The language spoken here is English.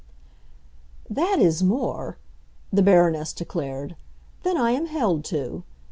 "That is more," the Baroness declared, "than I am held to.